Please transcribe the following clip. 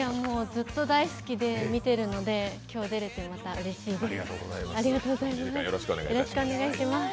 ずっと大好きで見てるので今日出れて、またうれしいです。